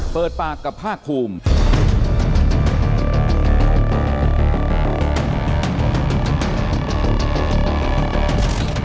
เปิดปากกับภาคภูมิ